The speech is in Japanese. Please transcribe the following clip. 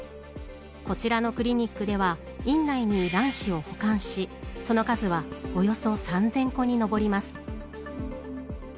こちらのクリニックでは院内に卵子を保管しその数は、およそ３０００個に上ります。